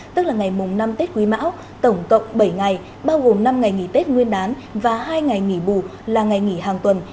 tức là ngày mùng năm tết quý mão tổng cộng bảy ngày bao gồm năm ngày nghỉ tết nguyên đán và hai ngày nghỉ bù là ngày nghỉ hàng tuần